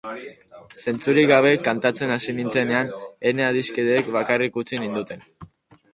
Zentzurik gabe kantatzen hasi nintzenean, ene adiskideek bakarrik utzi ninduten.